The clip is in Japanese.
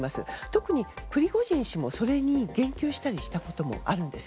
特にプリゴジン氏もそれに言及したりしたこともあるんです。